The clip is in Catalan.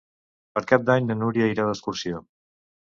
Per Cap d'Any na Núria irà d'excursió.